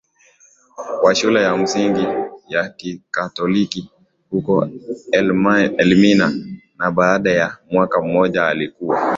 wa shule ya msingi ya Kikatoliki huko Elmina na baada ya mwaka mmoja alikuwa